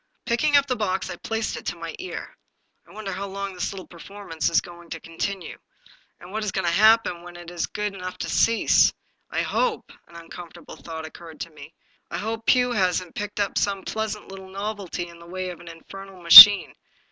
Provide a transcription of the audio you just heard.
Picking up the box, I placed it to my ear. " I wonder how long this little performance is going to continue. And what is going to happen when it is good enough to cease ? I hope "— an uncomfortable thought oc curred to me —" I hope Pugh hasn't picked up some pleasant little novelty in the way of an infernal machine.